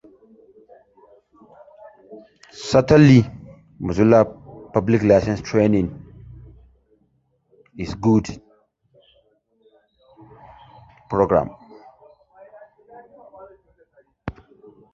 An alternative approach uses constraint solvers and idealized contacts.